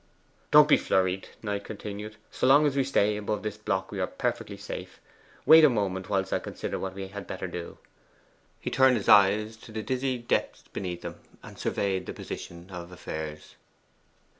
'Don't be flurried,' Knight continued. 'So long as we stay above this block we are perfectly safe. Wait a moment whilst I consider what we had better do.' He turned his eyes to the dizzy depths beneath them, and surveyed the position of affairs.